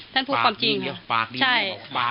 ท่านพูดความจริงค่ะใช่